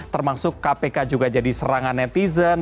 termasuk kpk juga jadi serangan netizen